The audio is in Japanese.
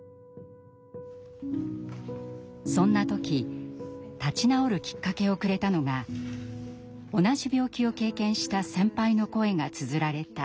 そんな時立ち直るきっかけをくれたのが同じ病気を経験した先輩の声がつづられた冊子。